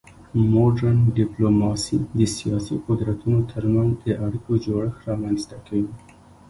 مډرن ډیپلوماسي د سیاسي قدرتونو ترمنځ د اړیکو جوړښت رامنځته کوي